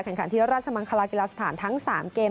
ขันที่ราชมังคลากีฬาสถานทั้ง๓เกม